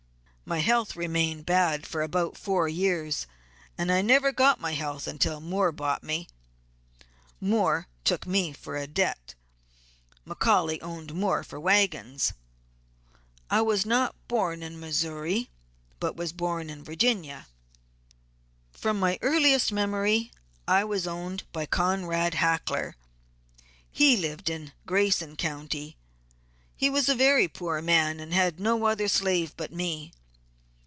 My health remained bad for about four years, and I never got my health until Moore bought me. Moore took me for a debt. McCaully owed Moore for wagons. I was not born in Missouri but was born in Virginia. From my earliest memory I was owned by Conrad Hackler; he lived in Grason County. He was a very poor man, and had no other slave but me.